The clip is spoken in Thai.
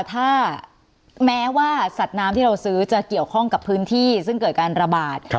ถ้าแม้ว่าสัตว์น้ำที่เราซื้อจะเกี่ยวข้องกับพื้นที่ซึ่งเกิดการระบาด